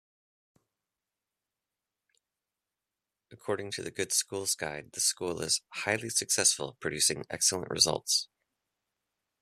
According to the "Good Schools Guide" the school is "Highly successful, producing excellent results.